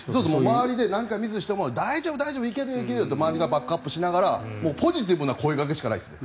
周りで何かミスしても大丈夫、大丈夫行けるよ行けるよって周りがバックアップしながらポジティブな声掛けしかないです。